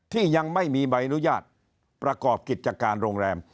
ยังไม่มีใบอนุญาตประกอบกิจการโรงแรม